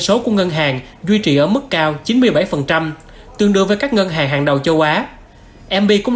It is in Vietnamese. số của ngân hàng duy trì ở mức cao chín mươi bảy tương đương với các ngân hàng hàng đầu châu á mb cũng